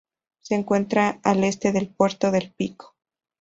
Se encuentra al este del puerto del Pico.